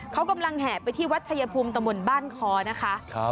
เขากำลังแห่ไปที่วัดชายภูมิตะมนต์บ้านคอนะคะ